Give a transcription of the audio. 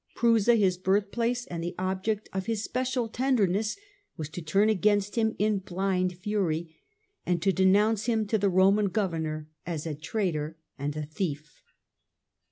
Prusa, his birth place, and the object of his special tenderness, was to turn against him in blind fury, and to denounce him to the Roman governor as a traitor and a thief.